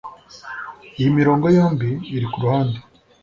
Iyi mirongo yombi iri kuruhande